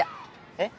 えっ？